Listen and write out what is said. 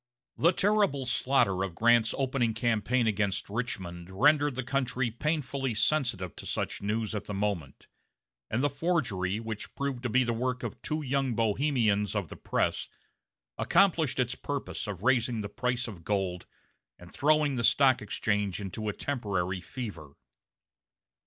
The terrible slaughter of Grant's opening campaign against Richmond rendered the country painfully sensitive to such news at the moment; and the forgery, which proved to be the work of two young Bohemians of the press, accomplished its purpose of raising the price of gold, and throwing the Stock Exchange into a temporary fever.